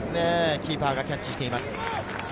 キーパーがキャッチしていきます。